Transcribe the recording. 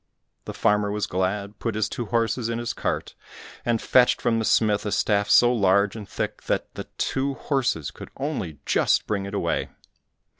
The farmer was glad, put his two horses in his cart, and fetched from the smith a staff so large and thick, that the two horses could only just bring it away.